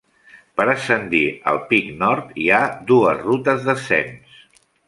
Per ascendir al pic Nord hi ha dues rutes d'ascens.